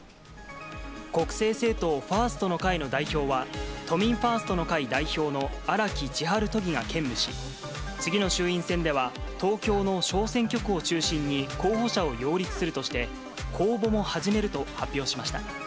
国政政党、ファーストの会の代表は、都民ファーストの会代表の荒木千陽都議が兼務し、次の衆院選では、東京の小選挙区を中心に、候補者を擁立するとして、公募も始めると発表しました。